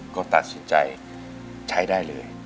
ก็ตัดสินใจใช้ได้เลย